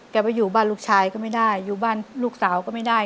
ไปอยู่บ้านลูกชายก็ไม่ได้อยู่บ้านลูกสาวก็ไม่ได้